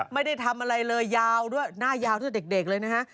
ไม่ได้ทำอะไรเลยยาวด้วยหน้ายาวเท่าเด็กเลยนะฮะ